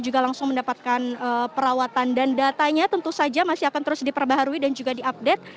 juga langsung mendapatkan perawatan dan datanya tentu saja masih akan terus diperbaharui dan juga diupdate